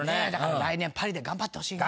来年はパリで頑張ってほしいね。